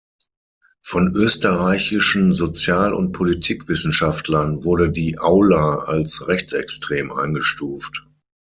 Von österreichischen Sozial- und Politikwissenschaftlern wurde die "Aula" als rechtsextrem eingestuft.